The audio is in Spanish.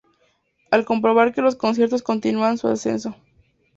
al comprobar que los conciertos continúan su ascenso